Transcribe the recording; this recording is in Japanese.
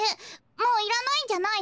もういらないんじゃないの？